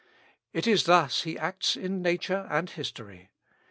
It is thus he acts in nature and in history.